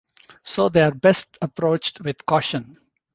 So they are best approached with caution.